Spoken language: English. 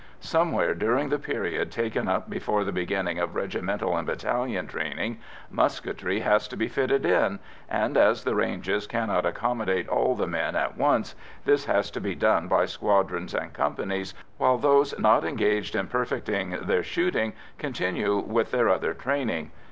Somewhere during the period taken up before the beginning of regimental and battalion training, musketry has to be fitted in, and, as the ranges cannot accommodate all the men at once, this has to be done by squadrons and companies, while those not engaged in perfecting their shooting continue with their other training.